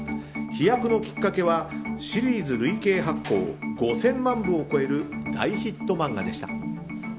飛躍のきっかけはシリーズ累計発行５０００万部を超える大ヒット漫画でした。